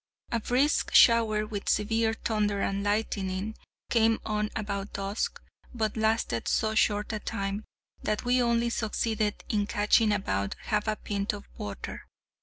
A brisk shower, with severe thunder and lightning, came on about dusk, but lasted so short a time that we only succeeded in catching about half a pint of water.